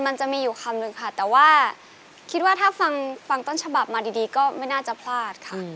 มันจะมีอยู่คำนึงค่ะแต่ว่าคิดว่าถ้าฟังต้นฉบับมาดีก็ไม่น่าจะพลาดค่ะ